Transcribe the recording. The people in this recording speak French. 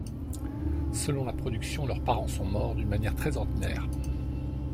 Selon la production, leurs parents sont morts d'une manière très ordinaire.